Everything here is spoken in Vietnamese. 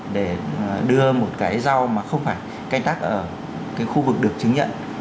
để đưa một cái rau mà không phải canh tác ở cái khu vực được chứng nhận